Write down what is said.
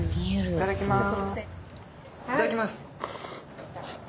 いただきます！